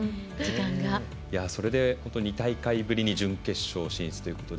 それで２大会ぶりに準決勝進出ということで